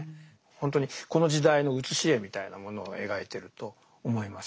本当にこの時代の写し絵みたいなものを描いてると思います。